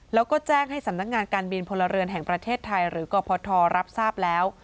แล้วก็แจ้งให้สำนักงานการบินพลเรือนแห่งประเทศไทยหรือกรพทรับทราบแล้ว